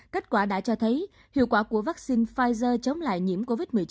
kết quả đã cho thấy hiệu quả của vaccine pfizer chống lại nhiễm covid một mươi chín